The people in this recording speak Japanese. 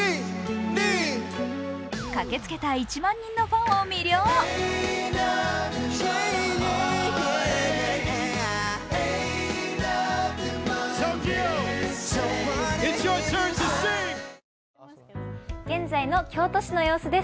駆けつけた１万人のファンを魅了現在の京都市の様子です。